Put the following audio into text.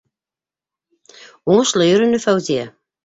Уңышлы йөрөнө Фәүзиә.